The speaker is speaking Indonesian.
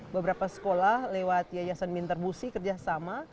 beberapa sekolah lewat yayasan minter busi kerjasama